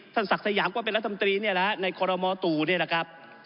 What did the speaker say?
ท่านศักดิ์ทะยามก็เป็นรัฐมตรีเนี่ยแหละในคอลโลมอตูเนี่ยแหละครับ